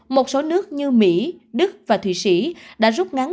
một số nước như mỹ đức và thụy sĩ đã rút ngắn